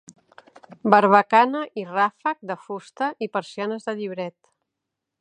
Barbacana i ràfec de fusta i persianes de llibret.